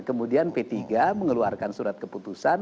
kemudian p tiga mengeluarkan surat keputusan